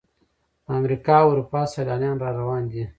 د امریکا او اروپا سیلانیان را روان دي.